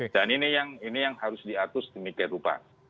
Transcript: dan ini yang harus diatur sedemikian rupa